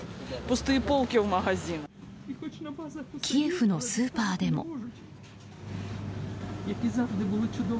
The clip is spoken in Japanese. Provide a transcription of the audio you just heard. キエフのスーパーでも。